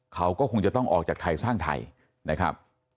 เขาก็คงจะต้องออกจากไทยสร้างไทยนะครับ